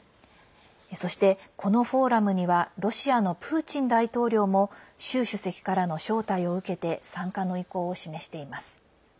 そして、このフォーラムにはロシアのプーチン大統領も習主席からの招待を受けて参加の意向を示しています。